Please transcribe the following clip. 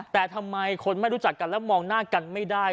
แต่ทำไมคนไม่รู้จักกันแล้วมองหน้ากันไม่ได้